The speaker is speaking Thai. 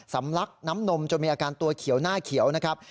ลักน้ำนมจนมีอาการตัวเขียวหน้าเขียวนะครับ